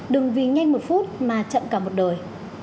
đừng vì nhanh một phút mà chậm cả một đời